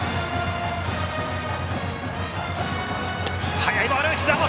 速いボール、ひざ元！